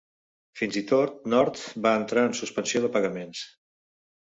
Fins i tot Nord va entrar en suspensió de pagaments.